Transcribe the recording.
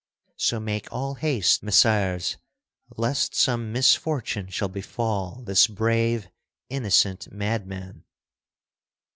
So make all haste, Messires, lest some misfortune shall befall this brave, innocent madman."